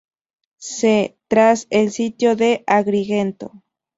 C, tras el sitio de Agrigento.